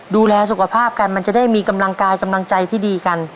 ดูแลสุขภาพกันมันจะได้มีกำลังกายกำลังใจที่ดีกัน